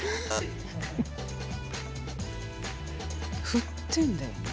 振ってんだよな。